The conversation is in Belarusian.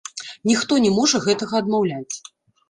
Ніхто не можа гэтага адмаўляць.